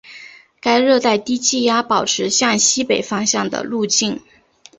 该热带低气压保持向西北方向的路径。